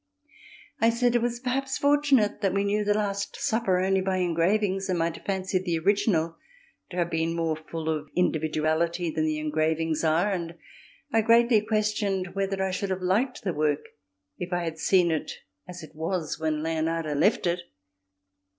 I said it was perhaps fortunate that we knew the "Last Supper" only by engravings and might fancy the original to have been more full of individuality than the engravings are, and I greatly questioned whether I should have liked the work if I had seen it as it was when Leonardo left it.